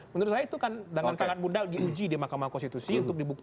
menurut saya itu kan dengan sangat mudah diuji di mahkamah konstitusi untuk dibuktikan